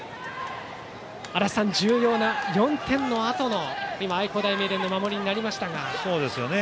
足達さん、重要な４点のあとの愛工大名電の守りになりましたが。